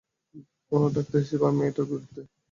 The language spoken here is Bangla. উনার ডাক্তার হিসাবে, আমি এটার বিরুদ্ধে।